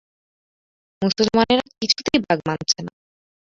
মুসলমানেরা কিছুতেই বাগ মানছে না।